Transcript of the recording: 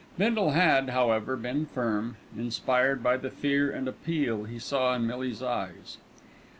Bindle had, however, been firm, inspired by the fear and appeal he saw in Millie's eyes.